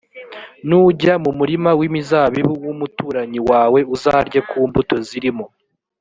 nujya mu murima w’imizabibu w’umuturanyi waweuzarye kumbuto zirimo.